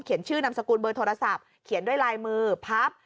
ชื่อนามสกุลเบอร์โทรศัพท์เขียนด้วยลายมือพับ